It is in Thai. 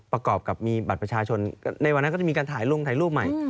ประกอบกับมีบัตรประชาชนในวันนั้นก็จะมีการถ่ายลงถ่ายรูปใหม่